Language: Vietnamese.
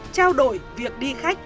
trao đổi việc đi khách